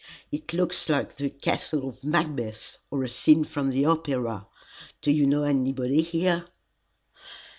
It looks like the castle of Macbeth, or a scene from the opera. Do you know anybody here?"